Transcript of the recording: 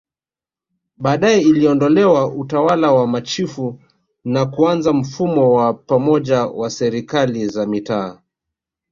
Baadae iliondolewa Utawala wa machifu na kuanza mfumo wa pamoja wa Serikali za Mitaa